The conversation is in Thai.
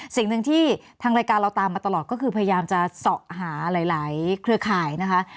สิ่งหนึ่งที่ทางรายการเราตามมาตลอดก็คือพยายามจะเสาะหาหลายเครือข่ายนะคะ